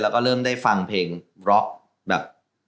แล้วก็เริ่มได้ฟังเพลงบล็อกแบบ